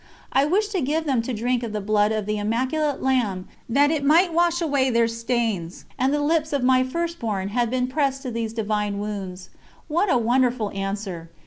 I wished to give them to drink of the Blood of the Immaculate Lamb that It might wash away their stains, and the lips of "my first born" had been pressed to these Divine Wounds. What a wonderful answer!